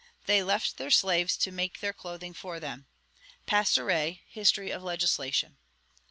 ]; they left their slaves to make their clothing for them." Pastoret: History of Legislation.